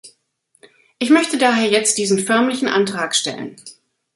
Ich möchte daher jetzt diesen förmlichen Antrag stellen.